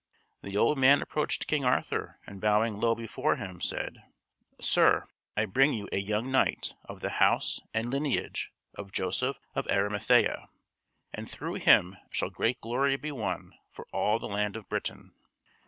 The old man approached King Arthur and bowing low before him, said: "Sir, I bring you a young knight of the house and lineage of Joseph of Arimathea, and through him shall great glory be won for all the land of Britain."